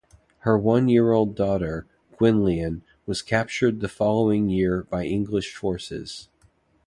Her one-year-old daughter, Gwenllian, was captured the following year by English forces.